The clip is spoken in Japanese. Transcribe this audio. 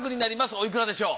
おいくらでしょう。